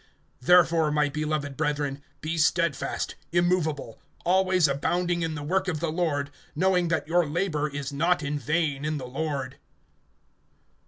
(58)Therefore, my beloved brethren, be steadfast, immovable, always abounding in the work of the Lord, knowing that your labor is not in vain in the Lord.